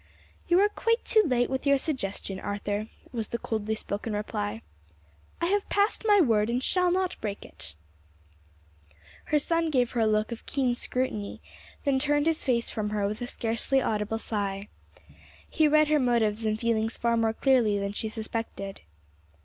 "You are quite too late with your suggestion, Arthur," was the coldly spoken reply. "I have passed my word and shall not break it." Her son gave her a look of keen scrutiny, then turned his face from her with a scarcely audible sigh. He read her motives and feelings far more clearly than she suspected.